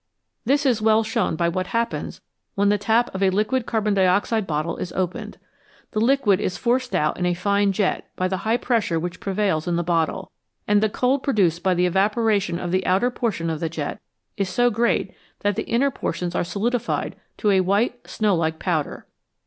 This is well shown by what happens when the tap of a liquid carbon dioxide bottle is opened. The liquid is forced out in a fine jet by the high pressure which pre vails in the bottle, and the cold produced by the eva poration of the outer portion of the jet is so great that the inner portions are solidified to a white, snow like powder.